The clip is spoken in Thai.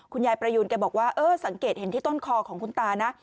คุณยายประยุณแกบอกว่าสังเกตเห็นที่ต้นคอของคุณตานะ